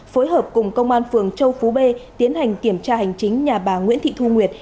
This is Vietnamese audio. phối hợp cùng công an phường châu phú b tiến hành kiểm tra hành chính nhà bà nguyễn thị thu nguyệt